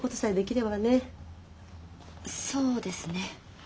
そうですね。